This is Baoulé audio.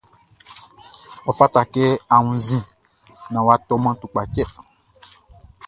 Ɔ fata kɛ a wunnzin naan wʼa tɔman tukpachtɛ.